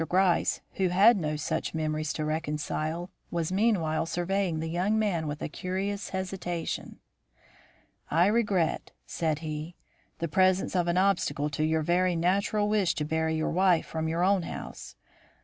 Gryce, who had no such memories to reconcile, was meanwhile surveying the young man with a curious hesitation. "I regret," said he, "the presence of an obstacle to your very natural wish to bury your wife from your own house.